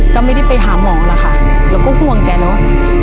ก็ไม่ได้ไปหาหมอหรอกค่ะเราก็ห่วงแกแล้ว